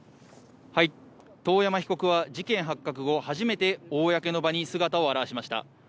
遠山被告は事件発覚後、初めて公の場に姿を現しました。